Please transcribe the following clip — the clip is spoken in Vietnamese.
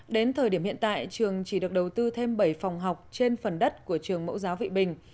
đến thời điểm hiện tại trường chỉ được đầu tư thêm bảy phòng học trên phần đất của trường mẫu giáo vị bình